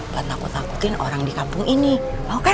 kamu takutin orang di kampung ini mau kan